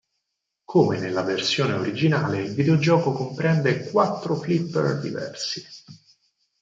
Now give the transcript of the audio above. Come nella versione originale il videogioco comprende quattro flipper diversi.